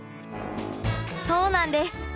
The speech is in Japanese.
そうなんです。